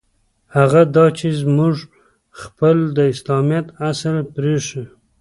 هغه دا چې موږ خپل د اسلامیت اصل پرېیښی.